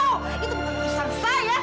itu bukan perusahaan saya